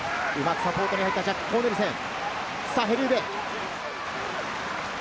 サポートに入ったジャック・コーネルセン。